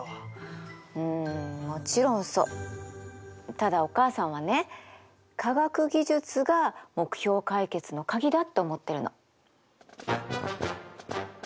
ただお母さんはね科学技術が目標解決の鍵だって思ってるの。